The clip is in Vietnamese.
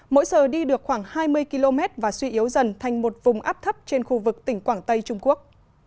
mỗi giờ đi được khoảng hai mươi km và suy yếu dần thành một vùng áp thấp trên khu vực tỉnh quảng tây trung quốc